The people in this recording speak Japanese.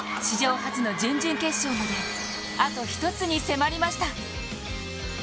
史上初の準々決勝まで、あと１つに迫りました。